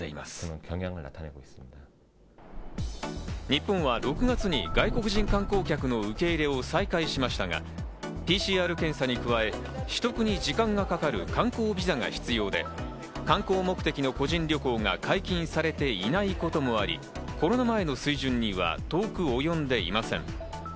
日本は６月に外国人観光客の受け入れを再開しましたが、ＰＣＲ検査に加え、取得に時間がかかる観光ビザが必要で、観光目的の個人旅行が解禁されていないこともあり、コロナ前の水準には遠く及んでいません。